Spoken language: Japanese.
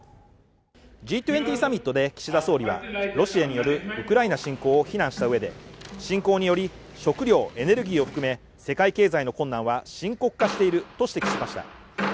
Ｇ２０サミットで岸田総理はロシアによるウクライナ侵攻を非難したうえで侵攻により食料・エネルギーを含め世界経済の困難は深刻化していると指摘しました。